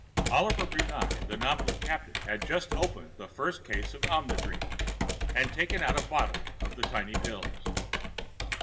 Oliver Brunei, the nominal captain, had just opened the first case of Omnidrene, and taken out a bottle of the tiny pills.